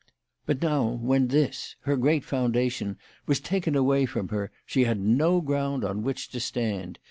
But now, when this, her great foundation, was taken away from her, she had no ground on which to stand.